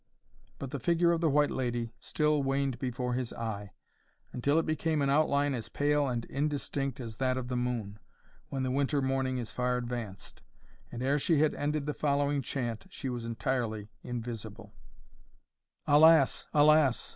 But the figure of the White Lady still waned before his eye, until it became an outline as pale and indistinct as that of the moon, when the winter morning is far advanced, and ere she had ended the following chant, she was entirely invisible: "Alas! alas!